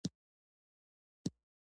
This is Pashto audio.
علمي څېړنه حقایق کشفوي.